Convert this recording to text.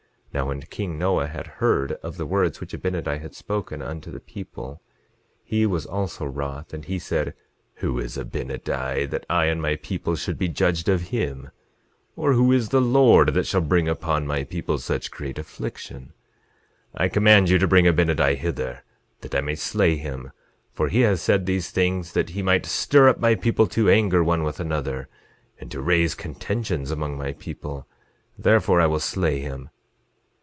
11:27 Now when king Noah had heard of the words which Abinadi had spoken unto the people, he was also wroth; and he said: Who is Abinadi, that I and my people should be judged of him, or who is the Lord, that shall bring upon my people such great affliction? 11:28 I command you to bring Abinadi hither, that I may slay him, for he has said these things that he might stir up my people to anger one with another, and to raise contentions among my people; therefore I will slay him.